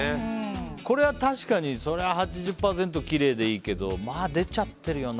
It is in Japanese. これは確かにそりゃ８０％きれいでいいけどまあ、出ちゃってるよな